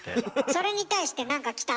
それに対して何か来た？